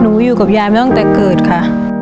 หนูอยู่กับยายไม่ต้องแต่เกิดค่ะ